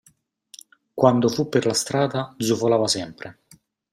Quando fu per la strada, zufolava sempre.